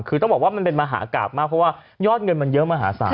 คือต้องบอกว่ามันเป็นมหากราบมากเพราะว่ายอดเงินมันเยอะมหาศาล